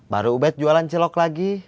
baru om ubed jualan cilok lagi